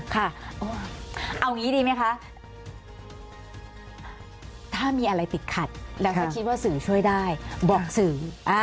ค่ะเอางี้ดีไหมคะถ้ามีอะไรติดขัดแล้วก็คิดว่าสื่อช่วยได้บอกสื่อ